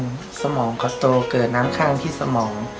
แบบดูสมองก็โตเกิดน้ำคลังที่สมอง